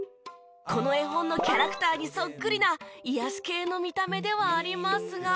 この絵本のキャラクターにそっくりな癒やし系の見た目ではありますが。